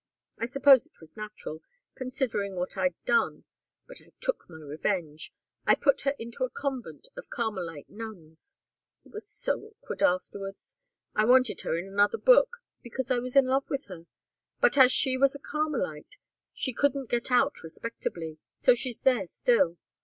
I suppose it was natural, considering what I'd done, but I took my revenge. I put her into a convent of Carmelite nuns. It was so awkward afterwards. I wanted her in another book because I was in love with her but as she was a Carmelite, she couldn't get out respectably, so she's there still.